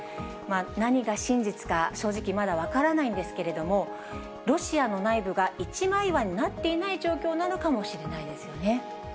何が真実か、正直、まだ分からないんですけれども、ロシアの内部が一枚岩になっていない状況なのかもしれないですよ